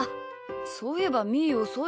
そういえばみーおそいな。